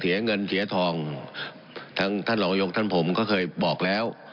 เฌียเงินเฌียทองท่านตรรองยกท่านผมก็ค่อยบอกแล้ว